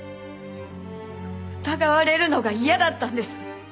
疑われるのが嫌だったんです。